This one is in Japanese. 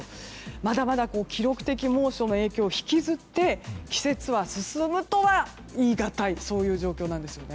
まだまだ記録的猛暑の影響を引きずって季節は進むとは言い難い状況なんですよね。